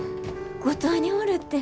五島におるって。